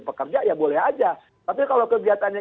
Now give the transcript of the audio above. pekerja ya boleh aja tapi kalau kegiatannya